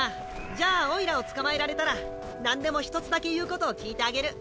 じゃあおいらを捕まえられたらなんでも一つだけ言うことを聞いてあげる。